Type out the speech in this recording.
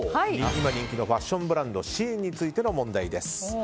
今人気のファッションブランドＳＨＥＩＮについての問題です。